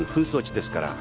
ですからね